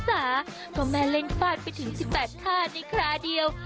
จ๋าก็แม่เล่นฟาดไปถึง๑๘ท่าในคราเดียว